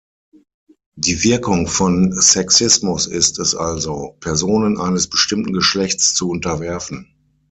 Die Wirkung von Sexismus ist es also, "Personen eines bestimmten Geschlechts zu unterwerfen".